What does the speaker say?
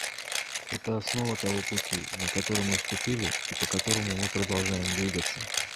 Это основа того пути, на который мы вступили и по которому мы продолжаем двигаться.